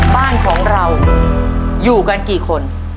บ้านของเราอยู่กันกี่คน